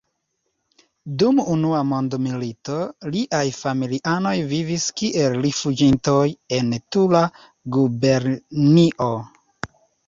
Dum Unua mondmilito, liaj familianoj vivis kiel rifuĝintoj en Tula gubernio.